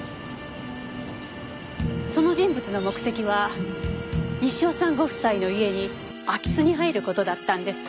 その人物の目的は西尾さんご夫妻の家に空き巣に入る事だったんです。